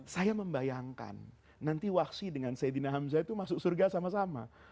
saya membayangkan nanti wahsyi dengan sayyidina hamzah itu masuk surga sama sama